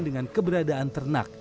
dengan keberadaan ternak